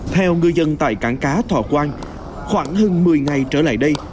theo ngư dân tại cảng cá thọ quang khoảng hơn một mươi ngày trở lại đây